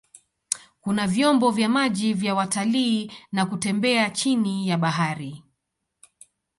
Kuna vyombo vya maji vya watalii na kutembea chini ya bahari.